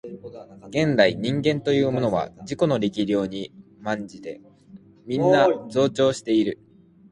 元来人間というものは自己の力量に慢じてみんな増長している